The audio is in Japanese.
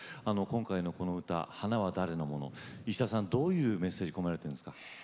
今回のこの歌「花は誰のもの？」は石田さん、どんなメッセージを込められていますか？